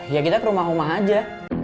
ya kita ke rumah rumah aja